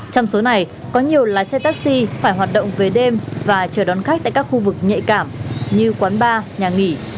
trong số này có nhiều lái xe taxi phải hoạt động về đêm và chờ đón khách tại các khu vực nhạy cảm như quán bar nhà nghỉ